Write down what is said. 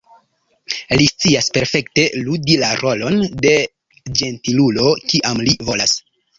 Li scias perfekte ludi la rolon de ĝentilulo, kiam li volas.